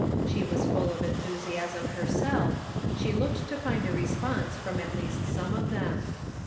She was full of enthusiasm herself; she looked to find a response from at least some of them.